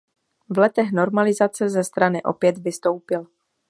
V letech normalizace ze strany opět vystoupil.